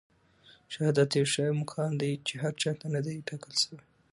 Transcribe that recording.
شهادت يو ښه مقام دی چي هر چاته نه دی ټاکل سوی.